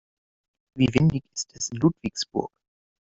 Wie windig ist es in Ludwigsburg?